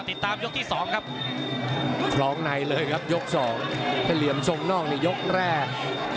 ติดตามยกที่สองครับ